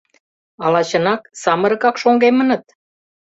Ала, чынак, самырыкак шоҥгемыныт?